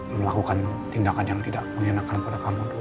melakukan tindakan yang tidak menyenangkan pada kamu dulu